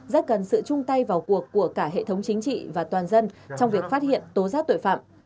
rất cần sự chung tay vào cuộc của cả hệ thống chính trị và toàn dân trong việc phát hiện tố giác tội phạm